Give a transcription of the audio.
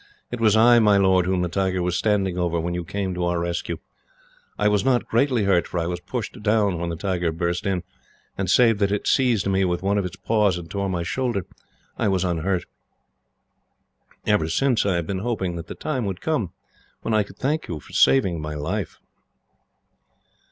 It was I, my lord, whom the tiger was standing over when you came to our rescue. I was not greatly hurt, for I was pushed down when the tiger burst in, and, save that it seized me with one of its paws, and tore my shoulder, I was unhurt. Ever since I have been hoping that the time would come when I could thank you for saving my life."